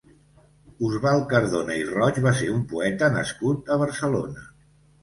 Osvald Cardona i Roig va ser un poeta nascut a Barcelona.